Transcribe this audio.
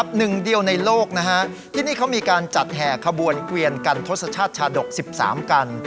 หนึ่งเดียวในโลกนะฮะที่นี่เขามีการจัดแห่ขบวนเกวียนกันทศชาติชาดก๑๓กัน